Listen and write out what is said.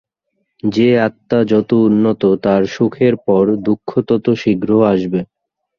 যে আত্মা যত উন্নত, তার সুখের পর দুঃখ তত শীঘ্র আসবে।